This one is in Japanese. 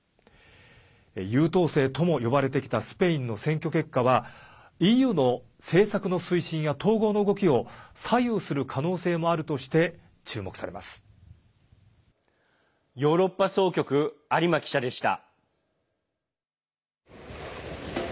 優等生とも呼ばれてきたスペインの選挙結果はＥＵの政策の推進や統合の動きを左右する可能性もあるとしてヨーロッパ総局有馬記者でした。